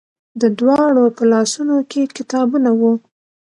د دواړو په لاسونو کې کتابونه وو.